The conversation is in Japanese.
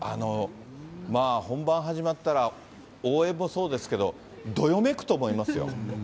まあ本番始まったら、応援もそうですけど、どよめくと思いますよ。